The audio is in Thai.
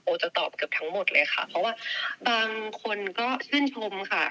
จะตอบเกือบทั้งหมดเลยค่ะเพราะว่าบางคนก็ชื่นชมค่ะ